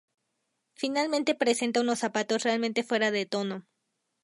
Finalmente presenta unos zapatos realmente fuera de tono.